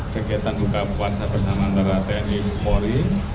kegiatan buka puasa bersama antara tni polri